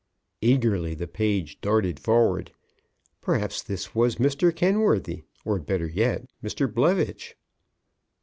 Eagerly the page darted forward. Perhaps this was Mr. Kenworthy! Or better yet, Mr. Blevitch.